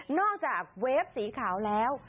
นอกจากเวฟสีขาวแล้ว